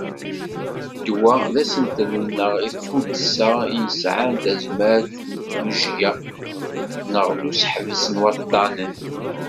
Ddwa d asentel neɣ d tuddsa i yesɛan tazmert n tujya neɣ n useḥbes n waṭṭanen.